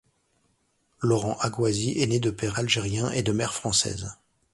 Laurent Agouazi est né de père algérien et de mère française.